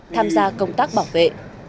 tham gia công tác bảo vệ